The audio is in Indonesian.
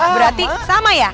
berarti sama ya